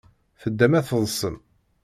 Teddam ad teḍḍsem.